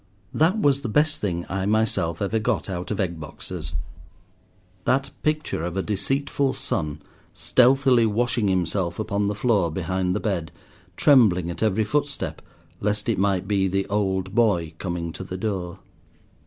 That was the best thing I myself ever got out of egg boxes—that picture of a deceitful son stealthily washing himself upon the floor behind the bed, trembling at every footstep lest it might be the "old boy" coming to the door.